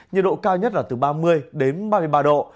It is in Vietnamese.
nhiệt độ cao nhất là từ ba mươi đến ba mươi ba độ